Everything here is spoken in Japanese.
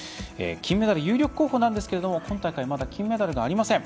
金メダル有力候補ですが今大会まだ金メダルがありません。